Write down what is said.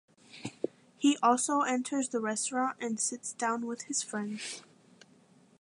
He also enters the restaurant and sits down with his friends.